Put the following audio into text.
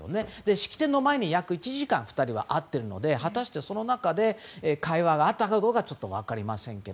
式典の前に約１時間２人は会っているので果たしてその中で会話があったかどうかは分かりませんが。